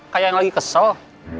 kayak lagi kesel